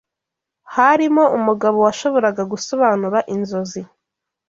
harimo umugabo washoboraga gusobanura inzozi